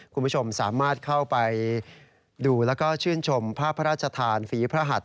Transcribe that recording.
คุณผู้ชมสามารถเข้าไปดูแล้วก็ชื่นชมภาพพระราชทานฝีพระหัด